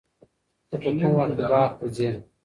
ته په کوم وخت کې باغ ته ځې؟